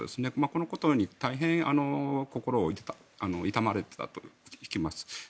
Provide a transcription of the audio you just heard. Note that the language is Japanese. このことに大変心を痛められたと聞きます。